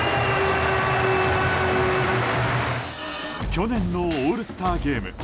去年のオールスターゲーム。